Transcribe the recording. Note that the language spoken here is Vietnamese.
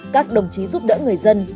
các đồng chí giúp đỡ người dân